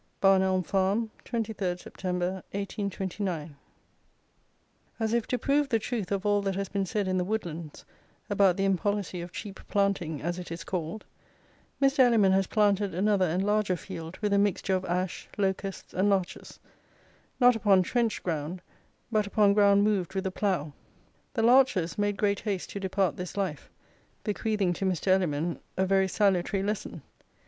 Barn Elm Farm, 23rd Sept. 1829. As if to prove the truth of all that has been said in The Woodlands about the impolicy of cheap planting, as it is called, Mr. Elliman has planted another and larger field with a mixture of ash, locusts, and larches; not upon trenched ground, but upon ground moved with the plough. The larches made great haste to depart this life, bequeathing to Mr. Elliman a very salutary lesson.